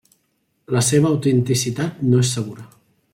La seva autenticitat no és segura.